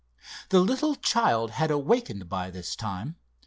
The little child had awakened by this time.